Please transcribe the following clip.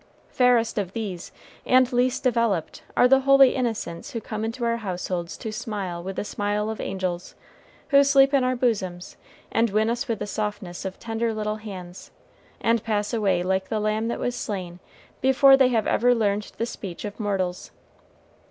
Fairest of these, and least developed, are the holy innocents who come into our households to smile with the smile of angels, who sleep in our bosoms, and win us with the softness of tender little hands, and pass away like the lamb that was slain before they have ever learned the speech of mortals.